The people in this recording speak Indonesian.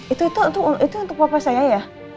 itu untuk papa saya ya